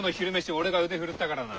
俺が腕振るったからな。